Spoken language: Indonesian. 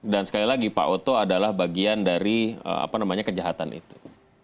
dan sekali lagi pak oto adalah bagian dari kejahatan itu